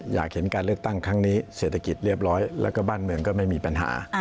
อยากเห็นการเลือกตั้งครั้งนี้เศรษฐกิจเรียบร้อยแล้วก็บ้านเมืองก็ไม่มีปัญหา